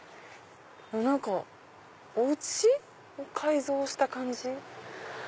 何かお家を改造した感じ。